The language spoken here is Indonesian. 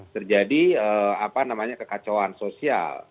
terjadi kekacauan sosial